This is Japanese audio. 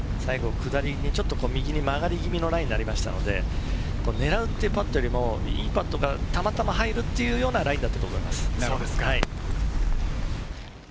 下りに右に曲がりぎみのラインになりましたので、狙うパットよりもいいパットがたまたま入るというようなラインだと思います。